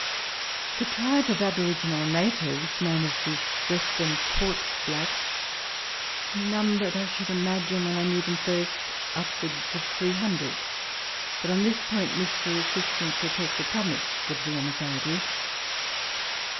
The tribe of aboriginal natives, known as the Western Port blacks, numbered, I should imagine, when I knew them first, upwards of 300 ; but, on this point, Mr. Assistant Protector Thomas would be an authority.